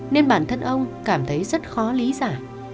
nên bản thân ông cảm thấy rất khó lý giải